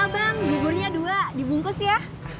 bang buburnya dua dibungkus ya